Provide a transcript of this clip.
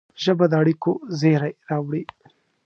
ژبه د اړیکو زېری راوړي